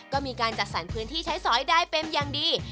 ก็มีการจัดสรรพื้นที่ใช้สอยได้เป็นอย่างดี